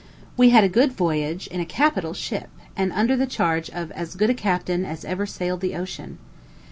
We had a good voyage, in a capital ship, and under the charge of as good a captain as ever sailed the ocean.